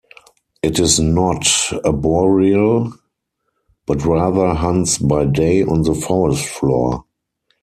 It is not arboreal, but rather hunts by day on the forest floor.